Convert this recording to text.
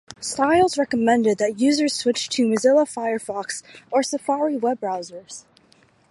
Stiles recommended that users switch to the Mozilla Firefox or Safari web browsers.